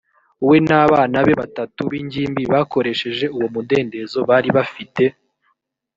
we n abana be batatu b ingimbi bakoresheje uwo mudendezo bari bafite